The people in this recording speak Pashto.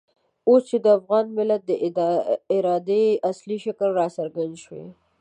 اوس چې د افغان ملت د ارادې اصلي شکل را څرګند شوی.